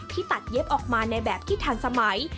ตัดเย็บออกมาในแบบที่ทันสมัย